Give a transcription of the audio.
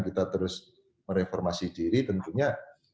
kita terus mereformasi diri tentunya